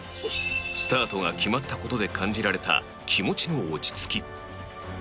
スタートが決まった事で感じられた、気持ちの落ち着き